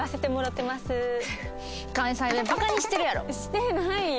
してないよ。